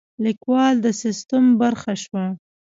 لیکوال د سیستم برخه شوه.